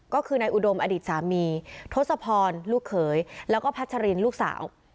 ก็คือนายอุดมอดีตสามีทศพรลูกเขยแล้วก็พัชรินลูกสาว